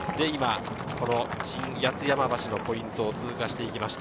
新八ツ山橋のポイントを通過してきました。